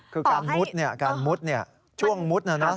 คือการมุดเนี่ยช่วงมุดเนอะ